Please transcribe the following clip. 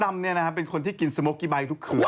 มดดำเนี่ยนะเป็นคนที่กินสโมกิบัตลุกคืน